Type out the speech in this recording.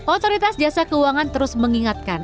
otoritas jasa keuangan terus mengingatkan